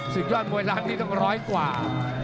ยอดมวยร้านนี้ต้องร้อยกว่า